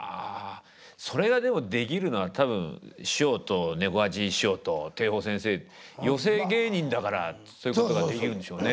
それがでもできるのは多分師匠と猫八師匠と貞鳳先生寄席芸人だからそういうことができるんでしょうね。